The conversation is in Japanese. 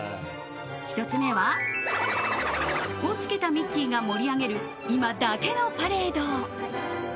１つ目は、ほにゃららをつけたミッキーが盛り上げる今だけのパレード。